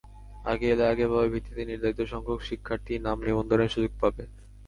আগে এলে আগে পাবে ভিত্তিতে নির্ধারিতসংখ্যক শিক্ষার্থী নাম নিবন্ধনের সুযোগ পাবে।